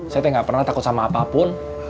saya nggak pernah takut sama apapun